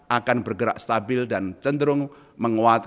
akan bergerak stabil dan cenderung menguat